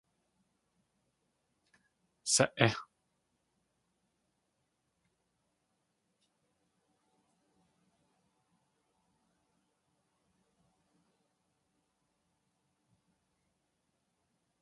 Sa.í!